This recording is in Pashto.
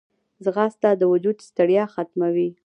ځغاسته د وجود ستړیا ختموي